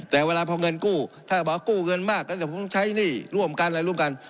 แต่เวลาพอเงินกู้ถ้าบอกว่ากู้เงินมากแล้วเดี๋ยวผมใช้หนี้ร่วมกันอะไรร่วมกัน